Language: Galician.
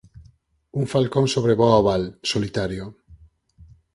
Un falcón sobrevoa o val, solitario.